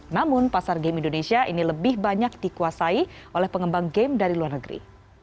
namun pasar game indonesia ini lebih banyak dikuasai oleh pengembang game dari luar negeri